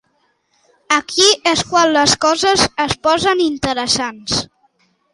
Aquí és quan les coses es posen interessants.